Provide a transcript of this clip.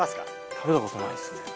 食べたことないですね。